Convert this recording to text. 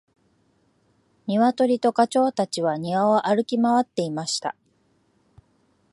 ニワトリとガチョウたちは庭を歩き回っていました。